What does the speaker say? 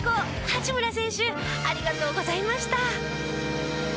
八村選手ありがとうございました！